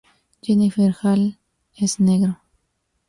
Jennifer Hale es Negro.